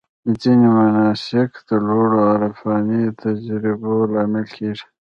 ځینې مناسک د لوړو عرفاني تجربو لامل کېږي.